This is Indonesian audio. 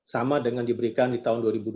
sama dengan diberikan di tahun dua ribu dua puluh